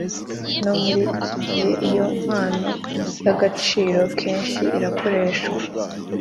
No muri iki gihe iyo mpano y’agaciro kenshi irakoreshwa